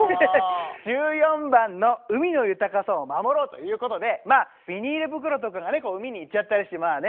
１４番の「海の豊かさを守ろう」ということでまあビニール袋とかがね海に行っちゃったりしてまあね